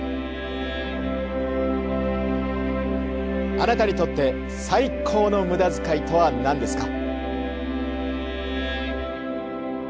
あなたにとって「最高の無駄遣い」とはなんですか？